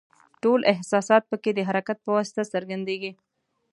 ټول احساسات پکې د حرکت په واسطه څرګندیږي.